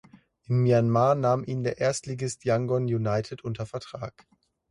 In Myanmar nahm ihn der Erstligist Yangon United unter Vertrag.